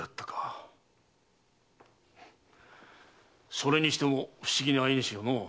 それにしても不思議な縁よのう。